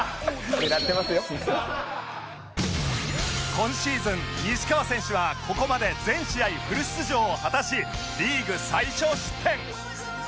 今シーズン西川選手はここまで全試合フル出場を果たしリーグ最少失点